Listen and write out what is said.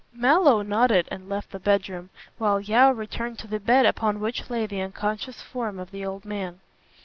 Mallow nodded and left the bedroom, while Yeo returned to the bed upon which lay the unconscious form of the old man.